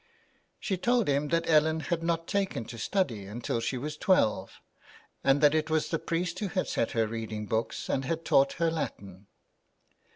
She told him that Ellen had not taken to study till she was twelve, and that it was the priest who had set her reading books and had taught her Latin.